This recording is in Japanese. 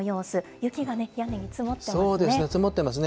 雪が屋根に積もってますね。